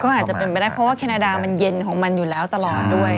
ก็อาจจะเป็นไปได้เพราะว่าแคนาดามันเย็นของมันอยู่แล้วตลอดด้วย